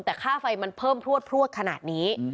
แต่ค่าไฟมันเพิ่มพลวดขนาดนี้